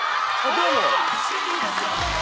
どうも。